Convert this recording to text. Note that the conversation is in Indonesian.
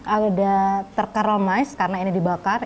ada terkaromize karena ini dibakar